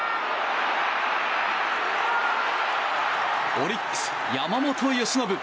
オリックス、山本由伸。